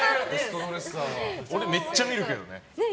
俺、めっちゃ見るけどね。